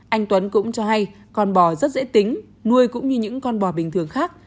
anh tuấn cũng cho hay con bò rất dễ tính nuôi cũng như những con bò bình thường khác